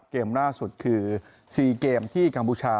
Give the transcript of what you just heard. เกมล่าสุดคือ๔เกมที่กัมพูชา